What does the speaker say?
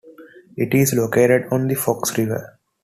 It is located on the Fox River.